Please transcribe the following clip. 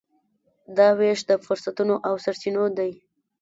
دا وېش د فرصتونو او سرچینو دی.